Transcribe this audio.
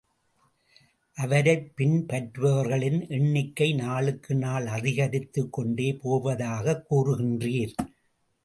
அவரைப் பின்பற்றுபவர்களின் எண்ணிக்கை நாளுக்கு நாள் அதிகரித்துக் கொண்டே போவதாகக் கூறுகின்றீர்.